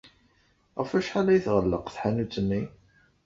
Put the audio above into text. Ɣef wacḥal ay tɣelleq tḥanut-nni?